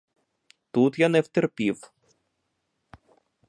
Тут я не втерпів.